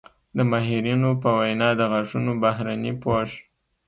د ماهرینو په وینا د غاښونو بهرني پوښ